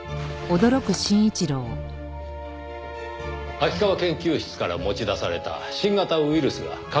秋川研究室から持ち出された新型ウイルスが拡散されました。